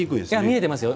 見えてますよ。